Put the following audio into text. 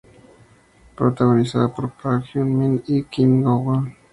Protagonizada por Park Jung-min y Kim Go-eun.